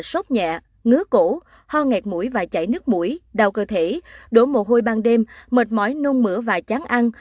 sốc nhẹ ngứa cổ ho nghẹt mũi và chảy nước mũi đau cơ thể đổ mồ hôi ban đêm mệt mỏi nôn mửa và chán ăn